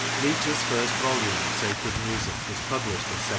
Leach's first volume of sacred music was published in 1789.